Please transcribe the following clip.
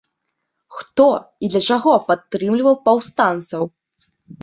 Хто і для чаго падтрымліваў паўстанцаў?